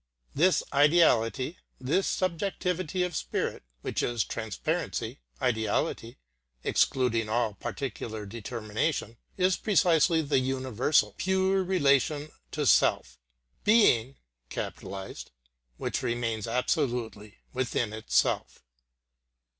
This ideality, this subjectivity of spirit, which is transparency, ideality excluding all particular determination, is precisely the universal, pure relation to self, Being which remains absolutely within itself.